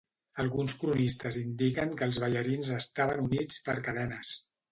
Alguns cronistes indiquen que els ballarins estaven units per cadenes.